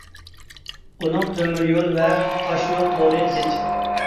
ئۇنىڭ تۆمۈر يول ۋە تاشيول تورى زىچ.